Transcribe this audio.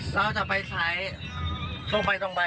เราจะไปขายตรงไปตรงไป